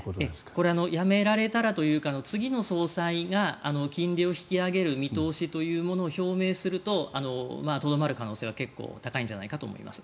これ辞められたらというか次の総裁が金利を引き上げる見通しというものを表明するととどまる可能性は結構高いと思います。